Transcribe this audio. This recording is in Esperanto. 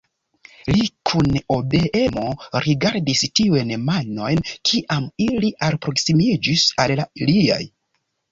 Li kun obeemo rigardis tiujn manojn, kiam ili alproksimiĝis al la liaj.